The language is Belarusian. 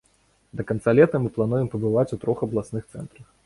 Да канца лета мы плануем пабываць у трох абласных цэнтрах.